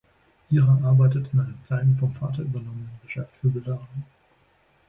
Ira arbeitet in einem kleinen, vom Vater übernommenen Geschäft für Bilderrahmen.